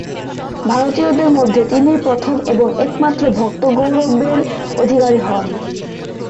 ভারতীয়দের মধ্যে তিনিই প্রথম এবং একমাত্র উক্ত গৌরবের অধিকারী হন।